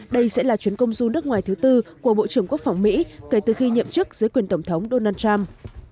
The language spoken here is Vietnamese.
đây sẽ là chuyến công du nước ngoài thứ tư của bộ trưởng quốc phòng mỹ kể từ khi nhậm chức dưới quyền tổng thống donald trump